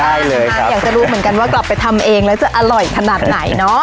ใช่ค่ะอยากจะรู้เหมือนกันว่ากลับไปทำเองแล้วจะอร่อยขนาดไหนเนาะ